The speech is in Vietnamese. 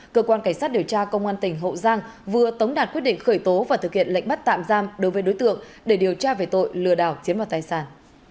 cơ quan cảnh sát điều tra công an tỉnh hậu giang vừa tống đạt quyết định khởi tố và thực hiện lệnh bắt tạm giam đối với đối tượng để điều tra về tội lừa đảo chiếm vào tài sản